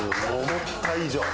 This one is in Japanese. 思った以上。